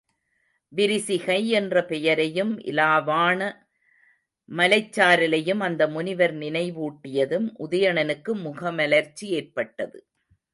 விரிசிகை என்ற பெயரையும் இலாவாண மலைச் சாரலையும் அந்த முனிவர் நினைவூட்டியதும் உதயணனுக்கு முகமலர்ச்சி ஏற்பட்டது.